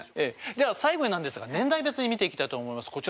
では最後になんですが年代別に見ていきたいと思います。